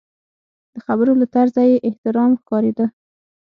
د خبرو له طرزه یې احترام ښکارېده.